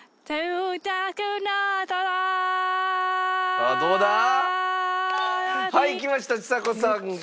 さあどうだ？はいきましたちさ子さんが。